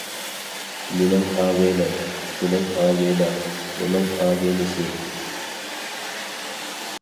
مېنىڭ ئاغىنەم، سېنىڭ ئاغىنەڭ، ئۇنىڭ ئاغىنىسى.